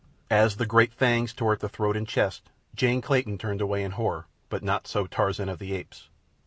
As the great fangs tore at the throat and chest, Jane Clayton turned away in horror; but not so Tarzan of the Apes.